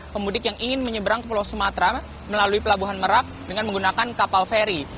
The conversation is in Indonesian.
pemudik yang ingin menyeberang ke pulau sumatera melalui pelabuhan merak dengan menggunakan kapal feri